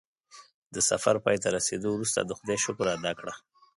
د سفر پای ته رسېدو وروسته د خدای شکر ادا کړه.